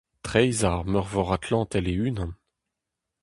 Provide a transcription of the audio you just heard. Treizhañ ar Meurvor Atlantel e-unan.